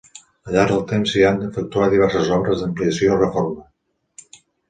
Al llarg del temps s'hi han efectuat diverses obres d'ampliació i reforma.